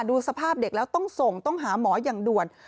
ดูสภาพเด็กแล้วต้องส่งต้องหาหมออย่างด่วน